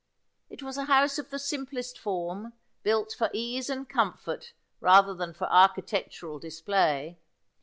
It was a house of the simplest form, built for ease and comfort rather than for architectural display.